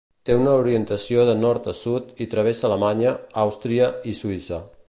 Té una orientació de nord a sud i travessa Alemanya, Àustria i Suïssa.